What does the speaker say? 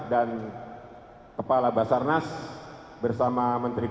dan kepala basarnas berada di kantor pusat